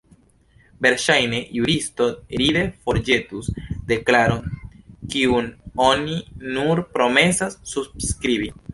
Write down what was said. Verŝajne juristo ride forĵetus deklaron, kiun oni nur promesas subskribi.